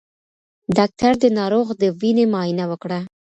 ډاکټر د ناروغ د وینې معاینه وکړه.